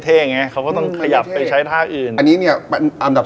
ต้นตามหลับอยู่ที่นี่ด้วย